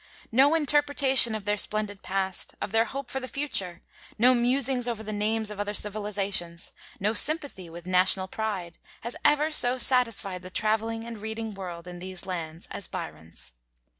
No interpretation of their splendid past, of their hope for the future, no musings over the names of other civilizations, no sympathy with national pride, has ever so satisfied the traveling and reading world in these lands, as Byron's.